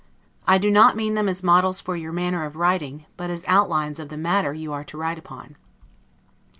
I do not mean them as models for your manner of writing, but as outlines of the matter you are to write upon.